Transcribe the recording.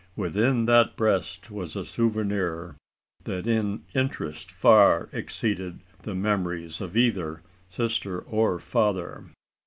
Within that breast was a souvenir, that in interest far exceeded the memories of either sister or father.